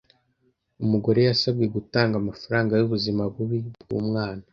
Umugore yasabwe gutanga amafaranga yubuzima bubi bwumwana.